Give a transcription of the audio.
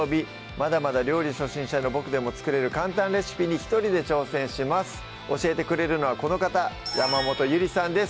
まだまだ料理初心者のボクでも作れる簡単レシピに一人で挑戦します教えてくれるのはこの方山本ゆりさんです